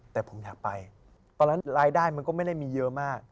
แต่รายได้มันก็ไม่ได้มีเยอะมาก